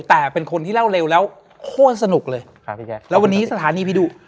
แต่เป็นคนที่เล่าเร็วแล้วโคตรสนุกเลยครับพี่แจ๊คแล้ววันนี้สถานีผีดุ